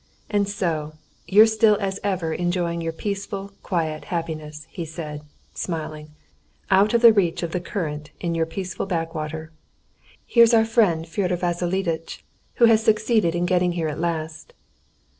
And so you're still as ever enjoying your peaceful, quiet happiness," he said, smiling, "out of the reach of the current in your peaceful backwater. Here's our friend Fyodor Vassilievitch who has succeeded in getting here at last."